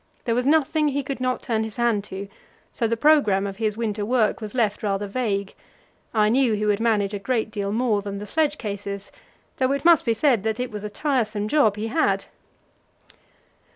There was nothing he could not turn his hand to, so the programme of his winter work was left rather vague. I knew he would manage a great deal more than the sledge cases, though it must be said that it was a tiresome job he had.